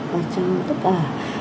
và cho tất cả